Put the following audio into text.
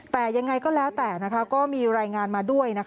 แต่ยังไงก็แล้วแต่ก็มีรายงานมาด้วย